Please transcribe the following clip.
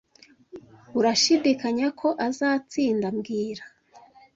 Urashidikanya ko azatsinda mbwira